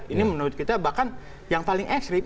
ini menurut kita bahkan yang paling ekstrim